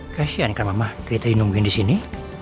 kasian kan mama kita dinungguin disini